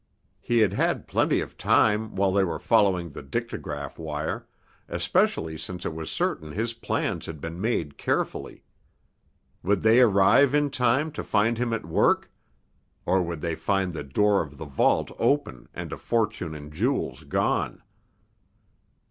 He had had plenty of time while they were following the dictagraph wire, especially since it was certain his plans had been made carefully. Would they arrive in time to find him at work? Or, would they find the door of the vault open and a fortune in jewels gone?